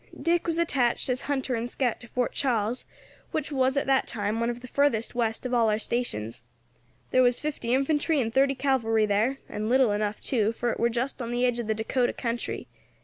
Dick was attached as hunter and scout to Fort Charles, which was, at that time, one of the furthest west of all our stations. There was fifty infantry and thirty cavalry there, and little enough too, for it war just on the edge of the Dacota country.